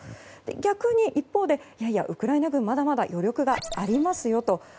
逆に一方でいやいや、ウクライナ軍まだまだ余力がありますよと。